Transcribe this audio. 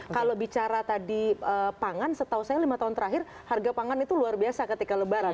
kalau bicara tadi pangan setahu saya lima tahun terakhir harga pangan itu luar biasa ketika lebaran